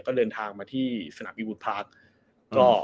ก็เดินทางมาที่สนับวิวุธพาร์ค